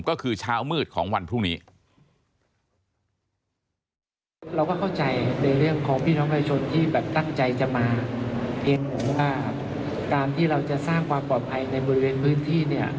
ก็คือเช้ามืดของวันพรุ่งนี้